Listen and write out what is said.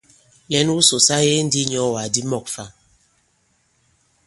Lɛ̌n wusò sa yege ndī i inyɔ̄ɔwàk di mɔ̂k fa.